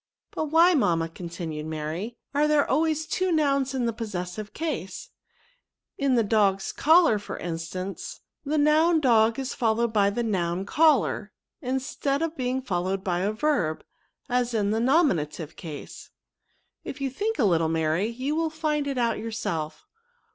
But why, mamma," continued Mary, are there always two nouns in the posses are caset In the dog's collar for instance, the noun dog is followed by the noun collar, instead of being followed by a verb, as in the nominative case. If you think a little, Mary, you will find it out yourself.